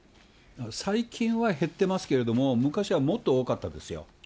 最近は減ってますけれども、昔はもっと多かったですよ。